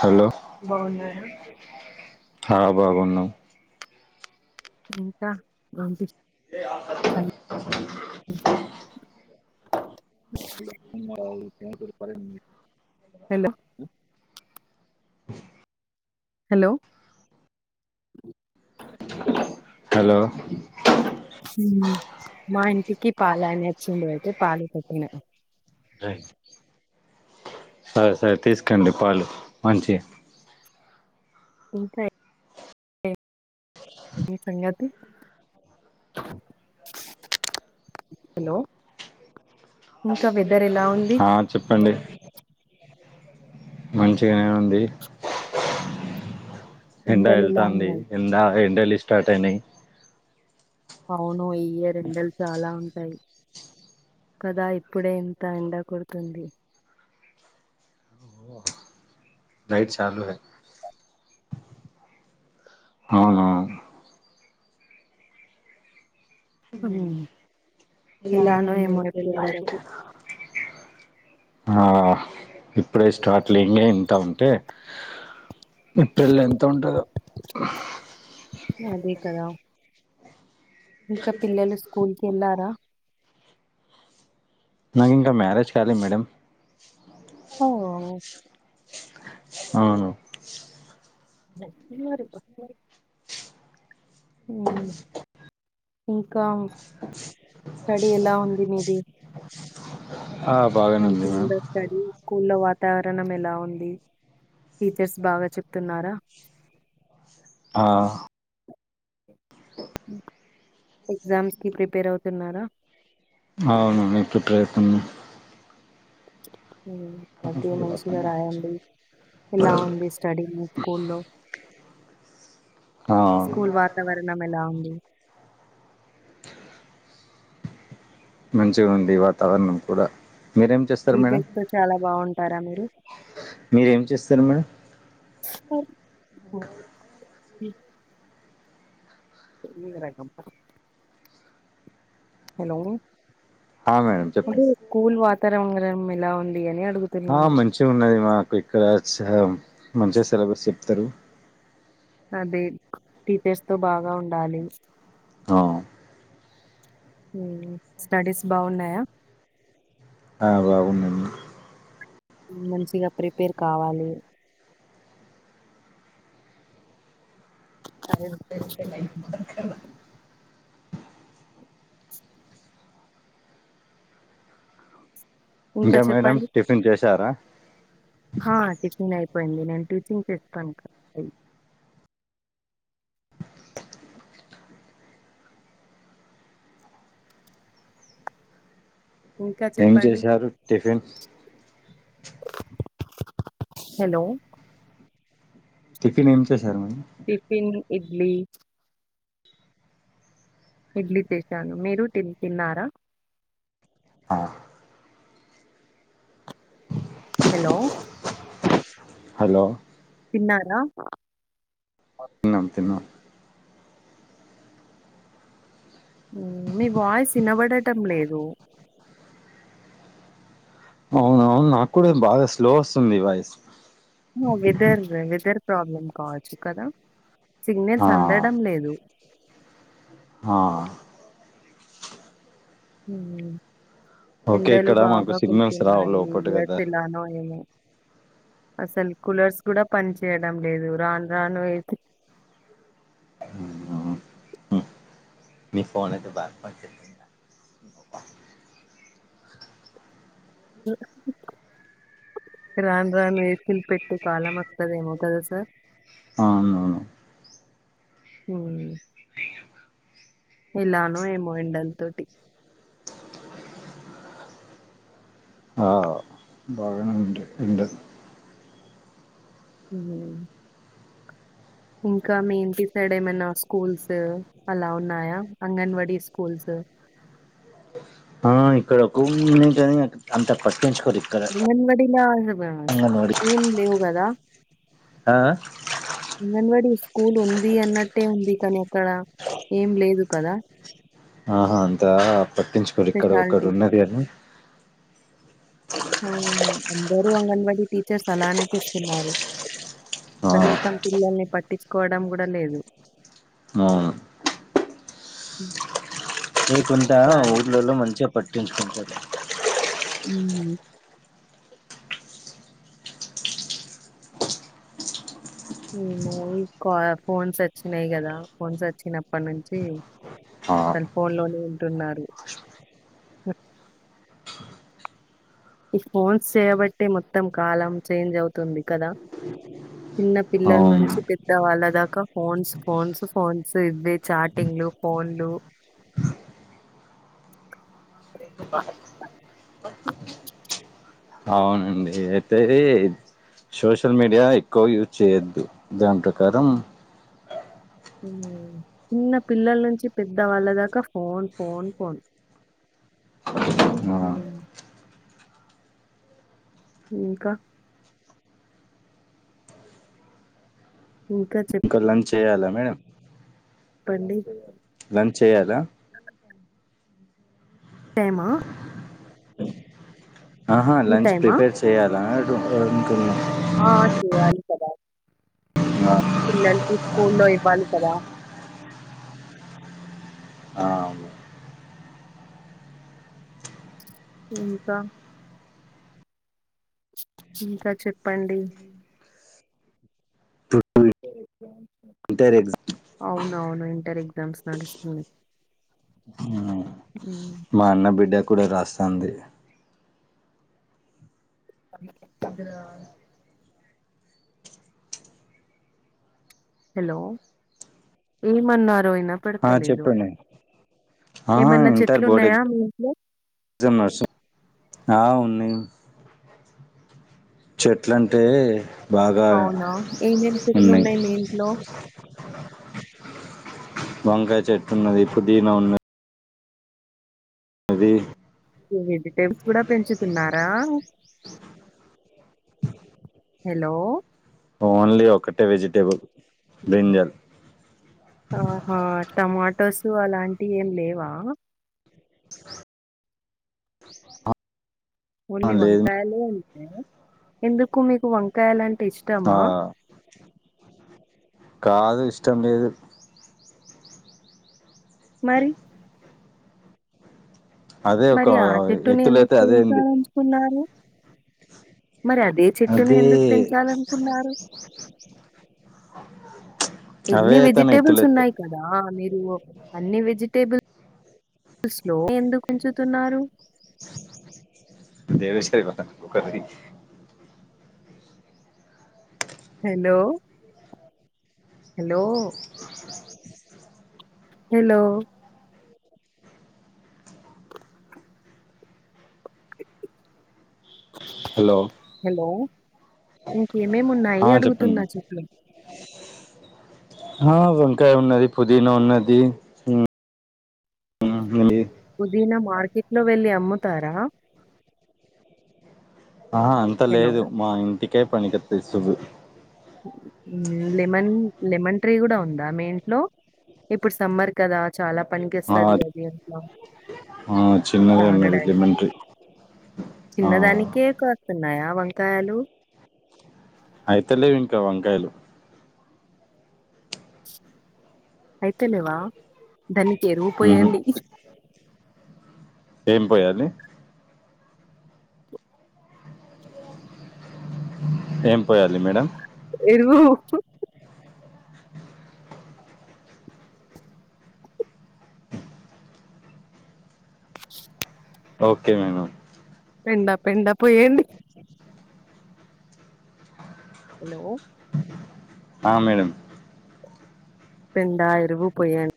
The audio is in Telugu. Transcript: హలో బాగున్నారు హ బాగున్నాం ఇంకా [unintelligible] [unintelligible] [unintelligible] హలో [inaudible] హలో హలో హు మా ఇంటికి పాలయన వచ్చిండి అయితే పాలు పెట్టిన సరే సరే తీసుకోండి పాలు మంచిగా ఇంకా ఏ ఏం సంగతి హలో ఇంకా వె హా చెప్పండి మంచిగానే ఉంది ఎండ ఎండలు ఎలా వెళ్తంది ఉన్నాయి ఎండ ఎండలు స్టార్ట్ అయినాయి అవును ఈ ఇయర్ ఎండలు చాలా ఉంటాయి కదా ఇప్పుడే ఇంత ఎండ కొడుతుంది [unintelligible] నైట్ చాలులే అవును హు ఉమ్, ఇలానే ఎలానో మేము ఏమో బయటికి ఏప్రిల్ వెళ్లలేదు వరకు ఆ ఇప్పుడే స్టార్ట్లు ఇంగే ఇంత ఉంటే ఏప్రిల్ లో ఎంత ఉంటదో అదే కదా ఇంకా పిల్లలు స్కూల్ కి వెళ్లారా నాకు ఇంకా మ్యారేజ్ కాలేదు మేడం ఓ, అవును [inaudible] మ్మ్ ఇంకా స్టడీ ఎలా ఉంది మీది ఆ బాగానే ఉంది మేడం మంచిగుందా స్టడీ స్కూల్ లో వా తావరణం ఎలా ఉంది. టీచర్స్ బాగా చెప్తున్నారా ఆ ఎగ్జామ్స్ కి ప్రిపేర్ అవుతున్నారా అవునండి ప్రిపేర్ అవుతున్న మ్మ్ [unintelligible] రాయండి ఎలా ఉంది మీ స్టడి మీ స్కూల్ లో స్కూల్ వాతావరణం ఎలా ఉంది మంచిగా ఉంది వాతావరణం కూడా మీరేం చేస్తారు మేడం టీచెర్స్ తో చాలా బాగుంటారా మీరు మీరేం చేస్తారు మేడం ప్చ్ [inaudible] ఆ మేడం ఇప్పుడు చెప్పండి స్కూల్ వాతావరణం ఎలా ఉంది అని ఆ అడుగుతున్నాను మంచిగున్నది మాకు ఇక్కడ చా మంచిగా సిలబస్ చెప్తారు అదే టీచర్స్ తో బాగా ఉండాలి అవును మ్మ్ స్టడీస్ బాగున్నాయా ఆ బాగుందండి మంచిగా ప్రిపేర్ కావాలి [inaudible] ఇంకా మేడం టిఫిన్ చేసారా హా అంటే స్కూల్ అయిపోయింది నేను టీచింగ్ చేస్తాను ఇక ఇంకా ఏం చెప్పండి. చేశారు టిఫిన్ హలో టిఫిన్ ఏం చేశారు మేడం టిఫిన్ ఇడ్లీ ఇడ్లి చేసాను. మీరు తి తిన్నారా ఆ హలో! హలో తిన్నారుగా మ్మ్ తిన్నాం మీ వాయిస్ వినబడటం లేదు అవునవును నాకు కూడా బాగా స్లో వస్తుంది మీ వాయిస్ వెదర్ వెదర్ ప్రాబ్లం కావచ్చు కదా ఆ సిగ్నల్స్ అందడం లేదు ఆ మ్మ్ ఓకే ఎండలు ఇక్కడ మాకు బాగా సిగ్నల్స్ రావు కొడుతున్నాయి లోపట కదా [unintelligible] అసలు కూలర్స్ కూడా పని చేయడం లేదు రాను రాను అయితే మ్మ్ మీ ఫోన్ అయితే పాట్ పట్ [inaudible] రాన్ రాన్ ఏకిల్ పెట్టి కాలంక్తద ఏమోతుదా సార్ అ అవునవును హ ఇలాను ఏమో ఇండంతతు ఆ బాగానంట ఉంట ఉ ఇంకా మీ ఇంటి సైడ్ ఏమైనా స్కూల్స్ అలా ఉన్నాయా అంగన్వాడీ స్కూల్స్ ఆ ఇక్కడకునీ అంత ప అంగన్వాడిలా అంగన్వాడి ఏమ్ లేవు కదా ఆ? ఉంగనువాడి స్కూల్ ఉంది అన్నట్టే ఉంది కానీ అక్కడ ఏం లేదు కదా ఆహా అంతా పట్టించుకోడి ఇక్కడ ఒకడు స్పెషాలిటీ ఉన్నది అని ఆ అందరూ అంగన్వాడీ టీచర్స్ అలానేపిస్తున్నారు ఆ, కనిసం పిల్లల్ని పట్టించుకోవడం కూడా లేదు అవును లేకుండా సరే ఊళ్ళలో మంచిగా పట్టించుకుంటుంది ఉ మేము ఈ కా ఫోన్స్ వచ్చినాయి కదా ఫోన్స్ వచ్చినప్పటి నుంచి ఆ, అసలు ఫోన్ లోనే ఉంటున్నారు ఈ ఫోన్స్ చేయబట్టి మొత్తం కాలం చేంజ్ అవుతుంది కదా చిన్న పిల్లల అవును నుంచి పెద్దవాళ్ళ దాకా ఫోన్స్ ఫోన్స్ ఫోన్స్ ఇ చాటింగ్ లు పోన్లు అవునండి అయితేది సోషల్ మీడియా ఎక్కువ యూజ్ చేయొద్దు దాని ప్రకారం చిన్న పిల్లల నుంచి పెద్దవాళ్ళ దాకా ఫోన్ ఫోన్ ఫోన్ మా ఉమ్. ఇంకా ఇంకా చెప్ చేయాలా మేడం పాండి [unintelligible] పని చేయాలా సేమా ఆహా ఈ లంచ్ టైమా ప్రిపేర్ చేయాలా ఆ చెయాలి కథ ఆ, పిల్లలకు స్కూల్లో ఇవ్వాలి కదా ఆ, ఇంకా ఇంకా చెప్పండి ఇంటర్ అవును అవును ఇంటర్ ఎయ్ [unintelligible] స్డుస్తు ఎగ్జామ్ మా అన్న బిడ్డ కూడా రాస్తుంది హలో ఏ మన్న ఎయినా ఆ పడతలేదు చెప్పండి ఏమన్నా చెట్లు ఉన్నాయా మీ ఇంట్లో న ఆ ఉన్నాయి చెట్లు అంటే బాగా అవునా ఏమేం చెట్లు ఉన్నాయి మీ ఇంట్లో వంకాయ చెట్టు ఉన్నది పుదీనా ఉన్నది అది వెజిటేబుల్స్ కూడా పెంచుతున్నారా. హలో ఓన్లీ ఒకటే వెజిటేబుల్ బ్రిన్జాలు ఆహా టమాటోస్ అలాంటివి ఏం లేవా. ఓన్లీ లేదు వంకాయలే అంతే ఎందుకు మీకు వంకాయలు అంటే. ఆ కాదు ఇష్టం లేదు. మరి. అదే ఒక మరి ఆ చెట్టుని ఎందుకు ఎత్తులైతే అదే ఉంది పెంచాలంచుకున్నారు. మరి అదే చెట్టును అదే ఎందుకు పెంచాలనుకున్నారు. అవే ఇన్ని అయితేనే వెజిటేబుల్స్ ఎత్తులెత్తాయి ఉన్నాయి కదా మీరు అన్ని వెజిటేబుల్స్. స్లో ఆది ఎందుకు పేంచుతున్నారు. దేవేశ్వరి వాళ్ల అక్కకి. Hello hello. Hello. Hello hello ఇంకేమేమిన్నాయి ఆ అడుగుతున్నా చెప్పండి చెప్పలే. ఆ వంకాయ ఉన్నది పుదీనా ఉన్నది. ఇంట్లో లేనిది. దన మార్కెట్ లో వెళ్ళలి అమ్ముతారా‌. ఆ అంత హలో లేదు మా ఇంటికే పనికి తె సువు. లెమన్ లెమన్ ట్రీ కూడా ఉందా మీ ఇంట్లో. ఇప్పుడు సమ్మర్ కదా చాలా పనికి ఆ వస్తుది అది ఇంట్లో. ఆ చిన్నదే ఉన్నది లెమన్ తగడానికి ట్రీ ఆ చిన్నదానికే. కాస్తున్నాయా వంకాయాలు. అయితే లేవు ఇంకా వంకాయలు. అయితేనేవా ధని. కి ఉహు ఎరువుపోయాండి. ఏం పోయాలి ఏం పోయాలి మేడం. ఇరువు. Okay madam. పెడా పెండా పోయండి. హలో. ఆ మేడమ్. పెడా ఎరువు పొయండి.